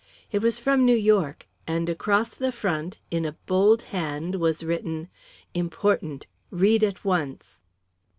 "It was from New York, and across the front, in a bold hand, was written, 'Important read at once.'"